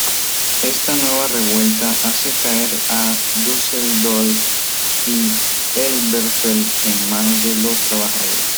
Esta nueva revuelta hace caer a Dusseldorf y Elberfeld en manos de los trabajadores.